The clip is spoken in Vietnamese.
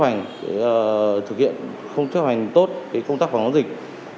hành để thực hiện không chấp hành tốt công tác phòng chống dịch